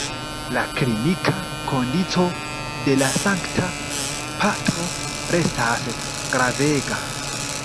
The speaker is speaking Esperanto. La klinika kondiĉo de la Sankta Patro restas gravega.